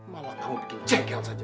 malah kamu bikin jegel saja